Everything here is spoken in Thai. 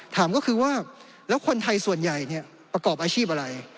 ถามก็คือว่าแล้วคนไทยส่วนใหญ่ประกอบอาชีพอะไร